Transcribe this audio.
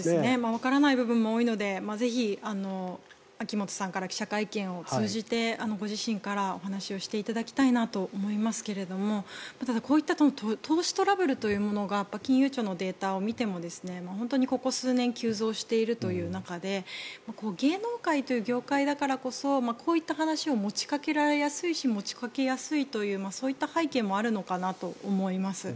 わからない部分も多いのでぜひ、木本さんから記者会見を通じてご自身からお話をしていただきたいなと思いますけれどただ、こういった投資トラブルというのが金融庁のデータを見ても本当にここ数年急増しているという中で芸能界という業界だからこそこういった話を持ちかけられやすいし持ちかけやすいというそういった背景もあるのかなと思います。